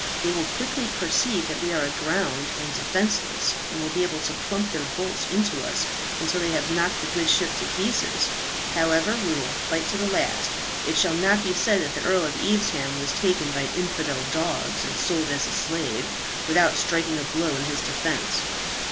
They will quickly perceive that we are aground and defenceless, and will be able to plump their bolts into us until they have knocked the good ship to pieces. However, we will fight to the last. It shall not be said that the Earl of Evesham was taken by infidel dogs and sold as a slave, without striking a blow in his defence."